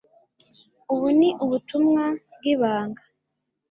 Ubu ni ubutumwa bwibanga